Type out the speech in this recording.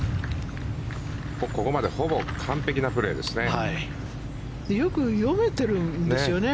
ここまでほぼ完璧なプレーですね。